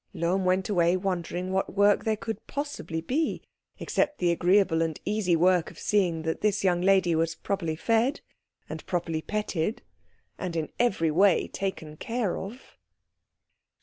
Lohm went away wondering what work there could possibly be, except the agreeable and easy work of seeing that this young lady was properly fed, and properly petted, and in every way taken care of.